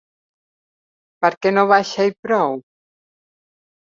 Per què no baixa i prou?